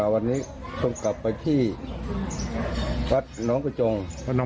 วันนี้ผมกลับไปที่วัดน้องกระจง